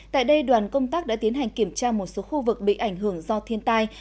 tại đây đoàn công tác đã tiến hành kiểm tra một số khu vực bị ảnh hưởng do thiên tai